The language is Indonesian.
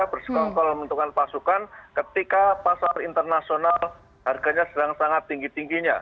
bersekongkol menentukan pasukan ketika pasar internasional harganya sedang sangat tinggi tingginya